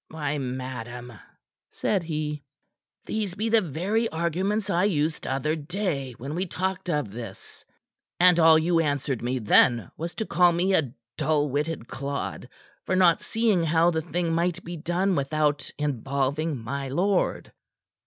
"Why, madam," said he, "these be the very arguments I used t'other day when we talked of this; and all you answered me then was to call me a dull witted clod, for not seeing how the thing might be done without involving my lord."